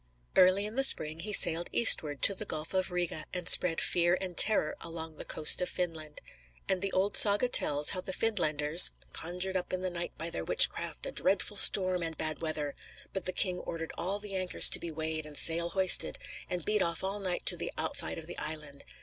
Early in the spring he sailed eastward to the Gulf of Riga and spread fear and terror along the coast of Finland. And the old saga tells how the Finlanders "conjured up in the night, by their witchcraft, a dreadful storm and bad weather; but the king ordered all the anchors to be weighed and sail hoisted, and beat off all night to the outside of the land.